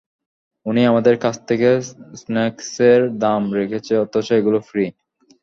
উনি আমাদের কাছ থেকে স্ন্যাক্সের দাম রেখেছে, অথচ এগুলো ফ্রি!